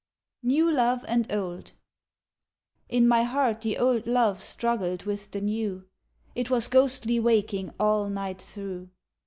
New Love and Old In my heart the old love Struggled with the new; It was ghostly waking All night through.